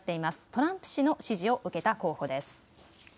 トランプ氏の支持を受けた候補です。